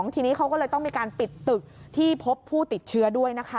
ทีนี้เขาก็เลยต้องมีการปิดตึกที่พบผู้ติดเชื้อด้วยนะคะ